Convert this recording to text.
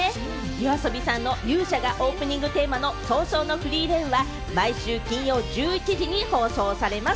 ＹＯＡＳＯＢＩさんの『勇者』がオープニングテーマの『葬送のフリーレン』は毎週金曜夜１１時に放送されます。